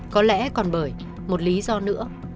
có lẽ còn bởi một lý do nữa